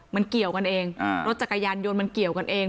มันเกี่ยวกันเองรถจักรยานยนต์มันเกี่ยวกันเอง